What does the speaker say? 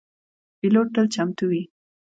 پیلوټ تل چمتو وي.